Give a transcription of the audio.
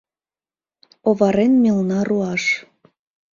Оварен мелна руаш